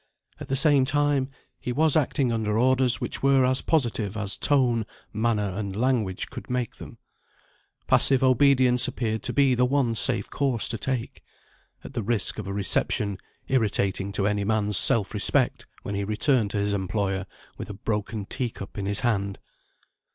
At the same time, he was acting under orders which were as positive as tone, manner, and language could make them. Passive obedience appeared to be the one safe course to take at the risk of a reception, irritating to any man's self respect, when he returned to his employer with a broken teacup in his hand.